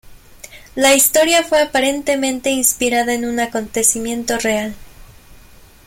La historia fue aparentemente inspirada en un acontecimiento real.